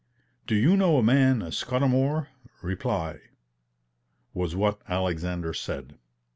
"Do you know a man, Scudamour? Reply," was what Alexander said.